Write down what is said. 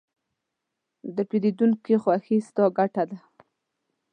د پیرودونکي خوښي، ستا ګټه ده.